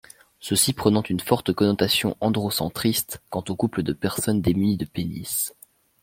Ceci prenant une forte connotation androcentriste quant aux couples de personnes démunies de pénis.